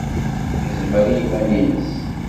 Yezmer i yiman-nnes.